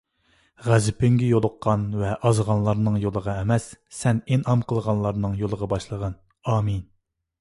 غەزىپىڭگە يولۇققان ۋە ئازغانلارنىڭ يولىغا ئەمەس سەن ئىنئام قىلغانلارنىڭ يولىغا باشلىغان.ئامىن